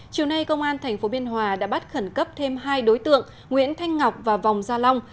chiều nay công an tp biên hòa đã bắt khẩn cấp thêm hai đối tượng nguyễn thanh ngọc và vòng gia long